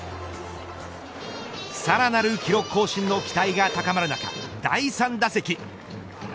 さらなる記録更新の期待が高まる中第３打席。